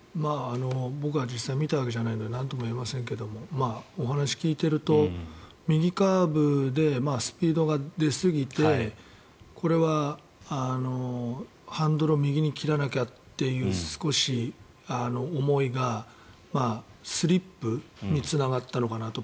僕は実際に見たわけじゃないのでなんとも言えませんけどもお話を聞いていると右カーブでスピードが出すぎてこれはハンドルを右に切らなきゃって少し、思いがスリップにつながったのかなと。